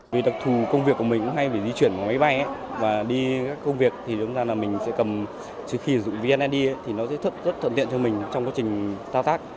vì đặc thù công việc của mình hay phải di chuyển vào máy bay và đi các công việc thì đúng ra là mình sẽ cầm trước khi dùng vnead thì nó sẽ rất thượng tiện cho mình trong quá trình thảo tác